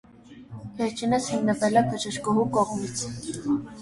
Վերջինս հիմնվել է բժշկուհու կողմից։